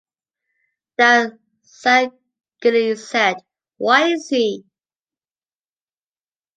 That Sangili said, "Why is he?"